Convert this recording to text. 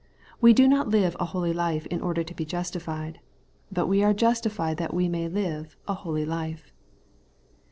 We do not live a holy life in order to be justified ; but we are justified that we may live a holy life.